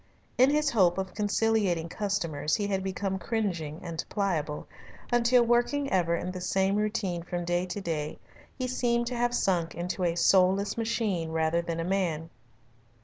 In his hope of conciliating customers he had become cringing and pliable, until working ever in the same routine from day to day he seemed to have sunk into a soulless machine rather than a man.